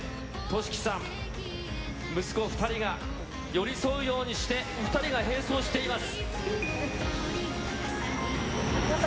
りょおさん、そしてとしきさん、息子２人が寄り添うようにして、２人が並走しています。